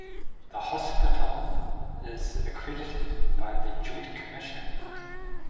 The hospital is accredited by the joint commission.